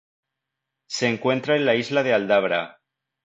Se encuentra en la isla de Aldabra.